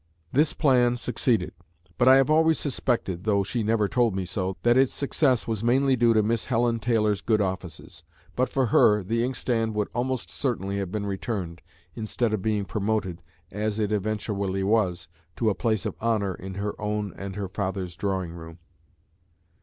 This plan succeeded; but I have always suspected, though she never told me so, that its success was mainly due to Miss Helen Taylor's good offices. But for her, the inkstand would almost certainly have been returned, instead of being promoted, as it eventually was, to a place of honor in her own and her father's drawing room.